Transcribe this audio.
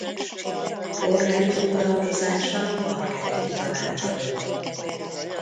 Polgári foglalkozása marketing tanácsadó.